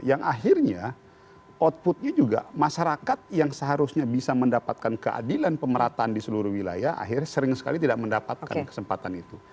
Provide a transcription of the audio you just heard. yang akhirnya outputnya juga masyarakat yang seharusnya bisa mendapatkan keadilan pemerataan di seluruh wilayah akhirnya sering sekali tidak mendapatkan kesempatan itu